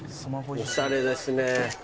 おしゃれですね。